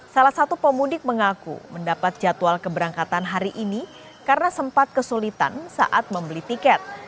salah satu pemudik mengaku mendapat jadwal keberangkatan hari ini karena sempat kesulitan saat membeli tiket